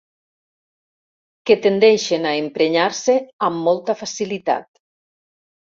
Que tendeixen a emprenyar-se amb molta facilitat.